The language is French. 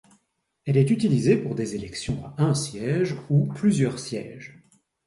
Elle est utilisée pour des élections à un siège ou plusieurs sièges.